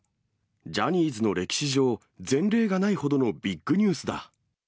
ジャニーズの歴史上、前例がないほどのビッグニュースだ。